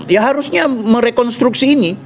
ya harusnya merekonstruksi ini